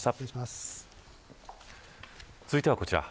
続いてはこちら。